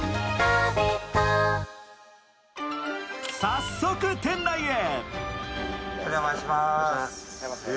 早速店内へ。